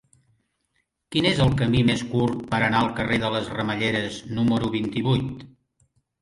Quin és el camí més curt per anar al carrer de les Ramelleres número vint-i-vuit?